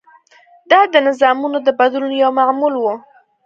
دا د نظامونو د بدلون یو معمول و.